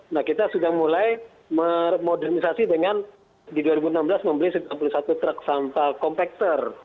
nah kita sudah mulai memodernisasi dengan di dua ribu enam belas membeli sembilan puluh satu truk sampah kompakter